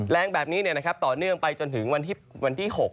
แรงแบบนี้ต่อเนื่องไปจนถึงวันที่๖